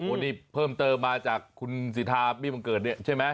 วันนี้เพิ่มเติมมาจากคุณสิทธาบี้บังเกิดเนี่ยใช่ไหม